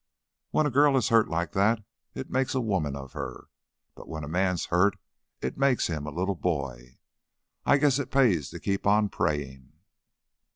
When a girl is hurt like that, it makes a woman of her, but when a man's hurt it makes him a little boy. I I guess it pays to keep on praying."